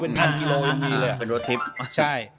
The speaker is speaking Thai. เป็น๑๐๐๐กิโลเมตรเป็นรถทิพย์